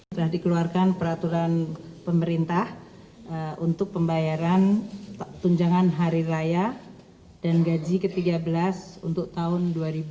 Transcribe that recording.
telah dikeluarkan peraturan pemerintah untuk pembayaran tunjangan hari raya dan gaji ke tiga belas untuk tahun dua ribu dua puluh